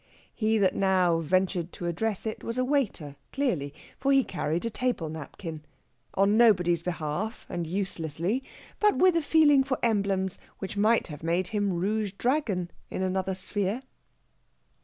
He that now ventured to address it was a waiter, clearly, for he carried a table napkin, on nobody's behalf and uselessly, but with a feeling for emblems which might have made him Rouge Dragon in another sphere.